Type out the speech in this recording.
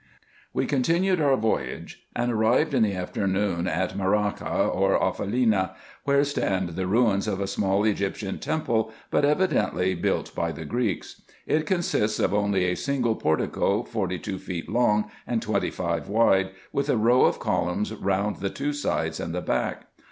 73 We continued our voyage, and arrived in the afternoon at Meharraka, or Offelina, where stand the ruins of a small Egyptian temple, but evidently built by the Greeks. It consists of only a single portico, forty two feet long and twenty five wide, with a row of columns round the two sides and the back.